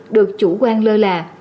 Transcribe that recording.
được chủ quan lơ là